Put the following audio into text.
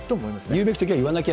言うべきときは言わなきゃ。